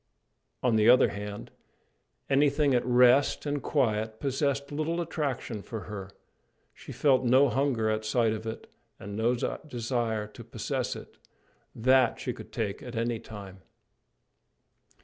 On the other hand, anything at rest and quiet possessed little attraction for her; she felt no hunger at sight of it, and no desire to possess it: that she could take at any time.